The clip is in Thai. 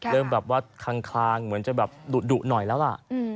เริ่มแบบว่าคลางเหมือนจะแบบดุหน่อยแล้วล่ะ